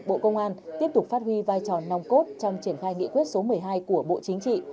bộ công an tiếp tục phát huy vai trò nòng cốt trong triển khai nghị quyết số một mươi hai của bộ chính trị